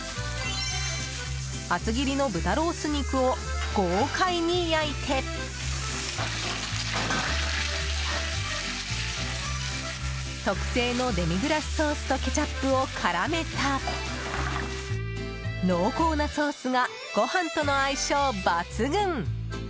厚切りの豚ロース肉を豪快に焼いて特製のデミグラスソースとケチャップを絡めた濃厚なソースがご飯との相性抜群。